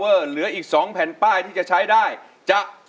ทั้งในเรื่องของการทำงานเคยทำนานแล้วเกิดปัญหาน้อย